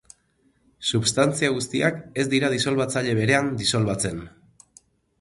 Substantzia guztiak ez dira disolbatzaile berean disolbatzen.